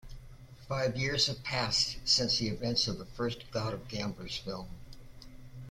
Five years have passed since the events of the first God of Gamblers film.